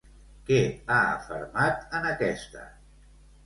Què ha afermat en aquesta?